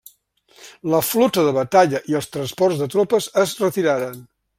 La flota de batalla i els transports de tropes es retiraren.